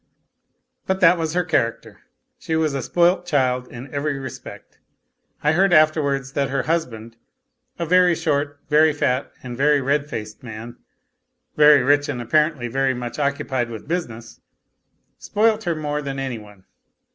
But that was her character; she was a spoilt child in every respect. I heard afterwards that her husband, a very short, very fat, and very red faced man, very rich and apparently very much occupied with business, spoilt her more than any one.